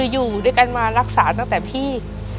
อยู่ด้วยกันมารักษาตั้งแต่พี่